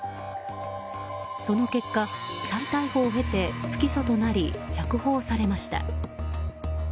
その結果、再逮捕を経て不起訴となり、釈放されました。